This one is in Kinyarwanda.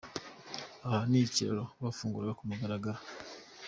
Aha ni ku kiraro bafunguraga ku mugaragaro.